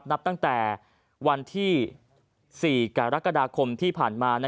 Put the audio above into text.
นับตั้งแต่วันที่๔กรกฎาคมที่ผ่านมา